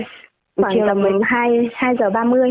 khoảng tầm hai giờ ba mươi nhé